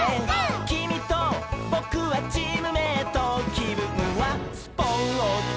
「きみとぼくはチームメイト」「きぶんはスポーツ」